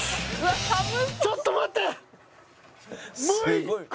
ちょっと待って！